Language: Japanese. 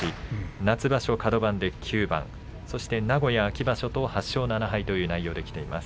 夏場所はカド番で９番そして名古屋、秋場所と８勝７敗という内容できています。